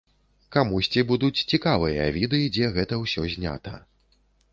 Камусьці будуць цікавыя віды, дзе гэта ўсё знята.